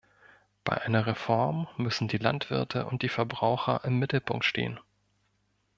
Bei einer Reform müssen die Landwirte und die Verbraucher im Mittelpunkt stehen.